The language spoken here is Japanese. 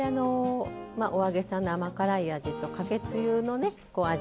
お揚げさんの甘辛い味とかけつゆの味。